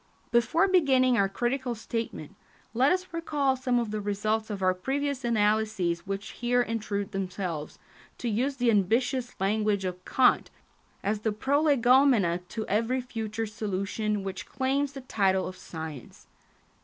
Before beginning our critical statement, let us recall some of the results of our previous analyses which here intrude themselves, to use the ambitious language of Kant, as the prolegomena to every future solution which claims the title of science.